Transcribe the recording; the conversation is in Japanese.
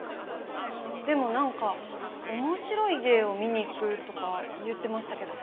でもなんか面白い芸を見に行くとか言ってましたけど。